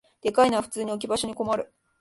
でかいのは普通に置き場所に困る